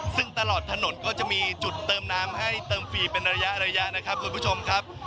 ซึ่งตลอดถนนก็จะมีจุดเติมน้ำให้เติมฟรีเป็นระยะนะครับคุณผู้ชมครับ